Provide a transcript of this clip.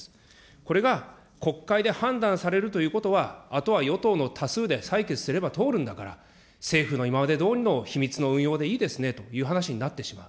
これが国会で判断されるということは、あとは与党の多数で採決すれば通るんだから、政府の今までどおりの秘密の運用でいいですねという話になってしまう。